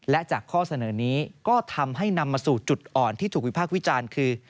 และจากข้อเสนอนี้ก็ทำให้นำมาสู่จุดอ่อนที่ถูกวิพากษ์วิจารณ์คือ